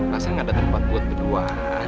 masa nggak ada tempat buat kedua